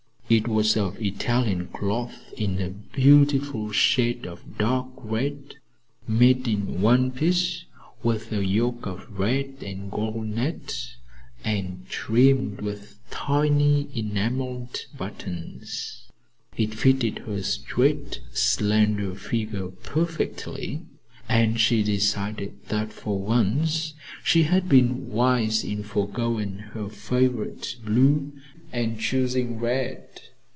It was of Italian cloth in a beautiful shade of dark red, made in one piece, with a yoke of red and gold net, and trimmed with tiny enameled buttons. It fitted her straight, slender figure perfectly and she decided that for once she had been wise in foregoing her favorite blue and choosing red.